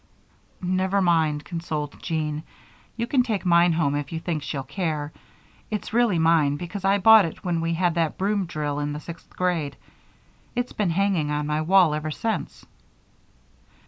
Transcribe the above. "Never mind," consoled Jean. "You can take mine home if you think she'll care. It's really mine because I bought it when we had that broom drill in the sixth grade. It's been hanging on my wall ever since."